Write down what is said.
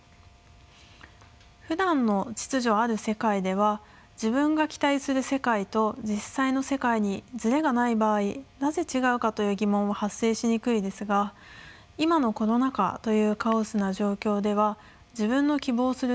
ふだんの秩序ある世界では自分が期待する世界と実際の世界にずれがない場合なぜ違うかという疑問は発生しにくいですが今のコロナ禍というカオスな状況では自分の希望する